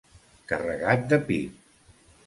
Carregat de pit.